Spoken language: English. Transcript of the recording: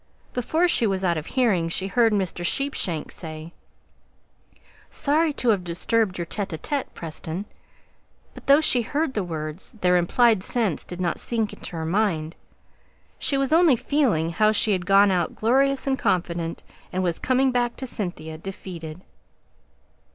Before she was out of hearing, she heard Mr. Sheepshanks say, "Sorry to have disturbed your tÉte ł tÉte, Preston," but though she heard the words, their implied sense did not sink into her mind; she was only feeling how she had gone out glorious and confident, and was coming back to Cynthia defeated.